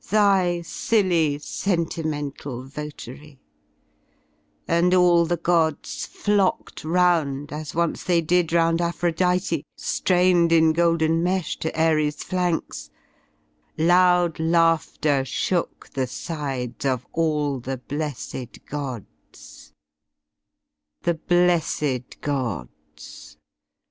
Thy silly sentimental votary; And all the gods flocked round, as once th^y did Round Aphrodite, drained in golden mesh To Ares^ flanks: '"'' Loud laughter shook the sides Of all the blessed gods''' — The blessed gods!